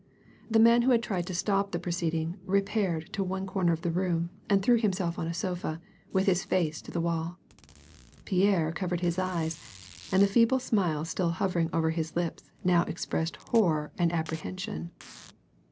The man who had tried to stop the proceeding repaired to one comer of the room and threw himself on a sofa, with his face to the wall. Pierre covered his eyes, and the feeble smile still hovering over his lips now expressed horror and appre hension.